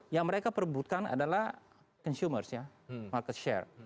yang mereka perebutkan adalah consumer market share